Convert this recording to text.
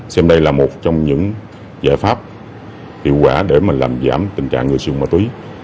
xem đây là một trong những giải pháp hiệu quả để mà làm giảm tình trạng người sử dụng ma túy